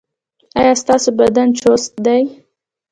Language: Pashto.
ایا ستاسو بدن چست دی؟